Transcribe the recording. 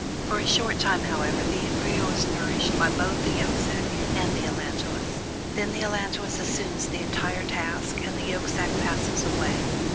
For a short time, however, the embryo is nourished by both the yolk sack and the allantois. Then the allantois assumes the entire task, and the yolk sack passes away.